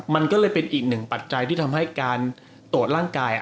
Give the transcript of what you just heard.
มันก็เลยเป็นอีกหนึ่งปัจจัยที่ทำให้การตรวจร่างกาย